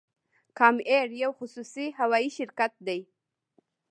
کام ایر یو خصوصي هوایی شرکت دی